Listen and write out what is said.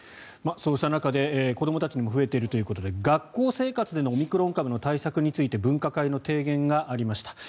そうした中子どもたちにも増えているということで学校の中でのオミクロン対策への分科会の提言がありました。